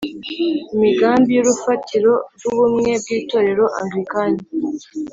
imigambi y urufatiro rw ubumwe bw Itorero Anglikane